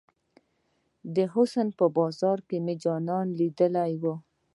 د حسن په بازار کې مې جانان ليدلی وه.